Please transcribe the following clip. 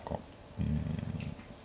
うん。